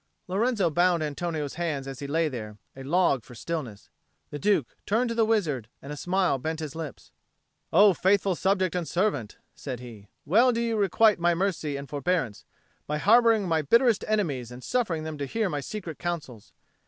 Lorenzo bound Antonio's hands as he lay there, a log for stillness. The Duke turned to the wizard and a smile bent his lips. "O faithful subject and servant!" said he. "Well do you requite my mercy and forbearance, by harbouring my bitterest enemies and suffering them to hear my secret counsels.